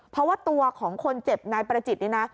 เพราะว่าตัวของคนเจ็บนายประจิตนี่นะ